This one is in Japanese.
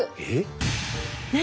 何？